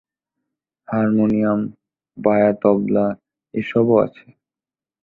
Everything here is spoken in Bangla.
হারমোনিয়াম, বায়া তবলা এসবও আছে।